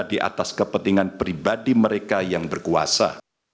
di atas kepentingan pribadi mereka yang berkuasa